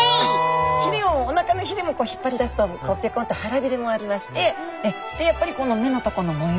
ヒレをおなかのヒレも引っ張り出すとぴょこんと腹ビレもありましてやっぱりこの目のとこの模様